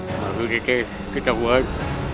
habis ini kita buat